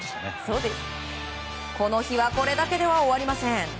この日はこれだけでは終わりません。